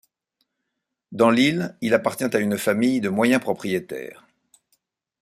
Dans l'île, il appartient à une famille de moyens propriétaires.